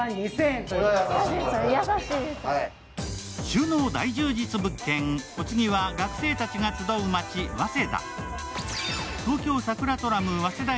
収納大充実物件、お次は学生たちが集う街・早稲田。